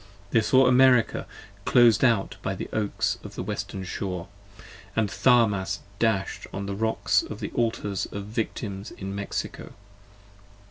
48 They saw America clos'd out by the Oaks of the western shore: And Tharmas dash'd on the Rocks of the Altars of Victims in Mexico.